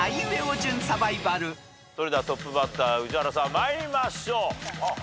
それではトップバッター宇治原さん参りましょう。